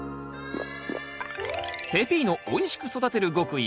ペピーノおいしく育てる極意